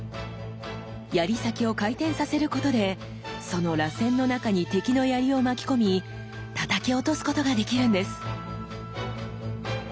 槍先を回転させることでそのらせんの中に敵の槍を巻き込みたたき落とすことができるんです！